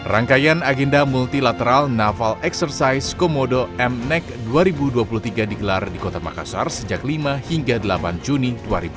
rangkaian agenda multilateral naval exercise komodo m nek dua ribu dua puluh tiga digelar di kota makassar sejak lima hingga delapan juni dua ribu dua puluh